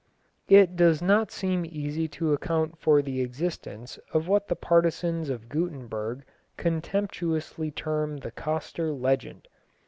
It does not seem easy to account for the existence of what the partisans of Gutenberg contemptuously term the Coster legend.